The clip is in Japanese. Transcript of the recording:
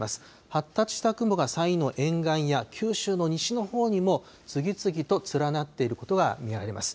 発達した雲が山陰の沿岸や九州の西のほうにも次々と連なっていることが見られます。